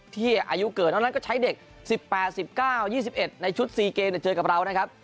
ที่อายุเกิดนอกนั้นก็ใช้เด็ก๑๘๑๙๒๑ในชุด๔เกมเจอกับเรานะครับ